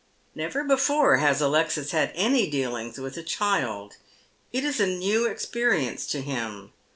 Never before has Alexis had any dealings with a child. It is a new experience to him.